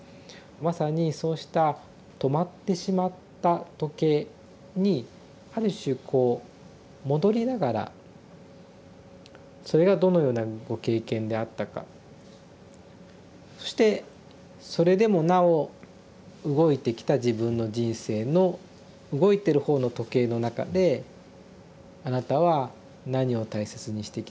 まさにそうした止まってしまった時計にある種こう戻りながらそれがどのようなご経験であったかそしてそれでもなお動いてきた自分の人生の動いてる方の時計の中であなたは何を大切にしてきたか。